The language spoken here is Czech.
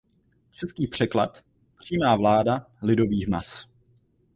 Český překlad „"přímá vláda lidových mas"“.